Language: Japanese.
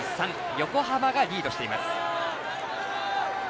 横浜がリードしています。